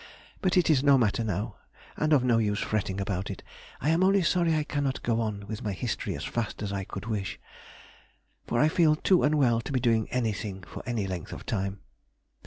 But it is no matter now, and of no use fretting about it; I am only sorry I cannot go on with my history as fast as I could wish, for I feel too unwell to be doing any thing for any length of time....